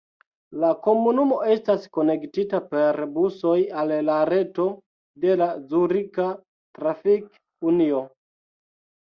La komunumo estas konektita per busoj al la reto de la Zurika Trafik-Unio.